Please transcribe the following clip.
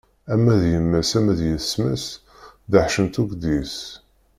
Ama d yemma-s, ama d yessetma-s, dehcent akk deg-s.